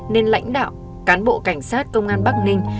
nên lãnh đạo cán bộ cảnh sát công an bắc ninh